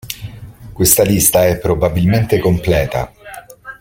Questa lista è probabilmente completa.